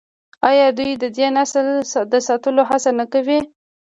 آیا دوی د دې نسل د ساتلو هڅه نه کوي؟